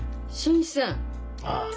ああ。